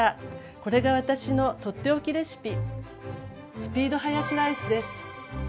これが私の取って置きレシピ「スピードハヤシライス」です。